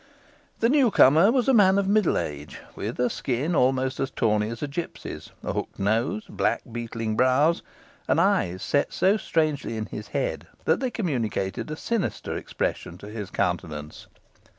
The new comer was a man of middle age, with a skin almost as tawny as a gipsy's, a hooked nose, black beetling brows, and eyes so strangely set in his head, that they communicated a sinister expression to his countenance.